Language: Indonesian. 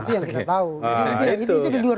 itu yang kita tahu